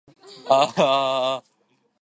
肩こりを治すためには